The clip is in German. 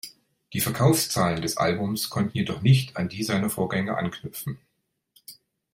Die Verkaufszahlen des Albums konnten jedoch nicht an die seiner Vorgänger anknüpfen.